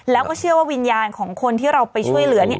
แล้วก็เชื่อว่าวิญญาณของคนที่เราไปช่วยเหลือเนี่ย